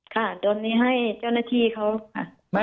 ค่ะโทรศัพท์นี้ให้เจ้าหน้าที่เขาค่ะ